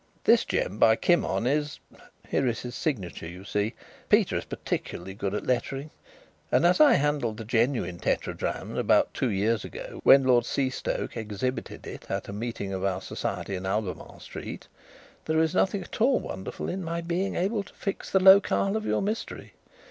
This gem by Kimon is here is his signature, you see; Peter is particularly good at lettering and as I handled the genuine tetradrachm about two years ago, when Lord Seastoke exhibited it at a meeting of our society in Albemarle Street, there is nothing at all wonderful in my being able to fix the locale of your mystery.